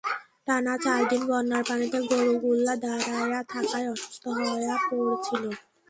টানা চার দিন বন্যার পানিতে গরুগুল্যা দাঁড়ায়া থাকায় অসুস্থ হয়া পড়ছিল।